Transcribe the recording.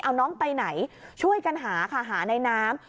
เอาน้องไปไหนช่วยกันหาค่ะหาในน้ำ